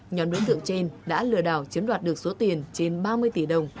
nhóm đối tượng trên đã lừa đảo chiếm đoạt được số tiền trên ba mươi tỷ đồng